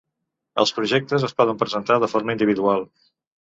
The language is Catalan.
Els projectes es poden presentar de forma individual.